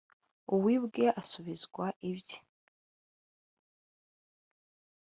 uwibwe asubizwa ibye